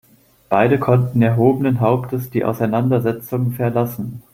Beide konnten erhobenen Hauptes die Auseinandersetzung verlassen.